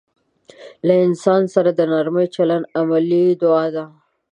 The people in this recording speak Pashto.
له انسان سره د نرمي چلند عملي دعا ده.